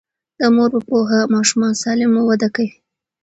د مور په پوهه ماشومان سالم وده کوي.